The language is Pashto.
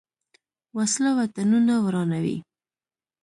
وسله وطنونه ورانوي